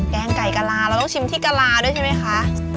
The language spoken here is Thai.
แกงไก่กะลาเราต้องชิมที่กะลาด้วยใช่ไหมคะ